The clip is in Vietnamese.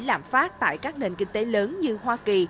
lạm phát tại các nền kinh tế lớn như hoa kỳ